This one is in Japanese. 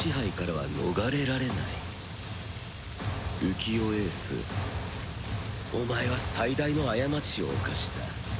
浮世英寿お前は最大の過ちを犯した。